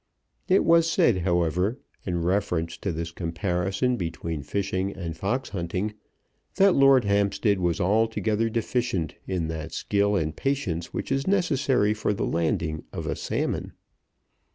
It was said, however, in reference to this comparison between fishing and fox hunting, that Lord Hampstead was altogether deficient in that skill and patience which is necessary for the landing of a salmon.